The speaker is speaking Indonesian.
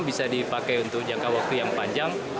bisa dipakai untuk jangka waktu yang panjang